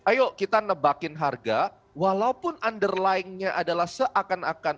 ayo kita nebakin harga walaupun underlyingnya adalah seakan akan